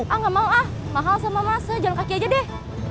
ah nggak mau ah mahal sama masa jalan kaki aja deh